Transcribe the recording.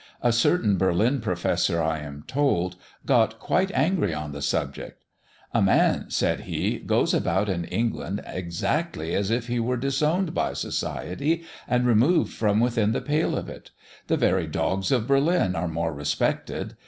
A certain Berlin professor, I am told, got quite angry on the subject. "A man," said he, "goes about in England exactly as if he were disowned by society and removed from within the pale of it. The very dogs of Berlin are more respected!